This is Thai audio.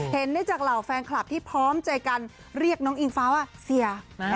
เห็นได้จากเหล่าแฟนคลับที่พร้อมใจกันเรียกน้องอิงฟ้าว่าเสีย